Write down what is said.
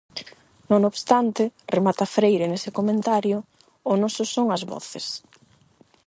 Non obstante, -remata Freire nese comentario- o noso son as voces.